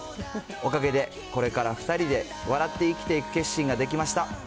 おかげで、これから２人で笑って生きていく決心ができました。